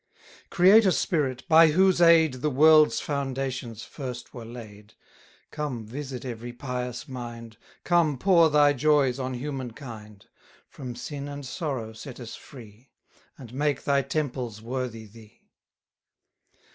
CREATOR SPIRIT, by whose aid The world's foundations first were laid, Come, visit every pious mind; Come, pour thy joys on human kind; From sin and sorrow set us free, And make thy temples worthy thee.